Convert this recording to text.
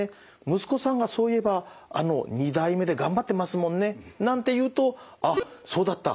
息子さんがそういえば２代目で頑張ってますもんね」なんて言うとあっそうだった。